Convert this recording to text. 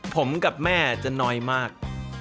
ผมกับแม่จะน้อยมาก